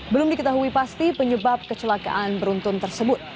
belum diketahui pasti penyebab kecelakaan beruntun tersebut